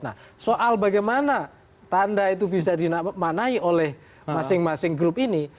nah soal bagaimana tanda itu bisa dimaknai oleh masing masing grup ini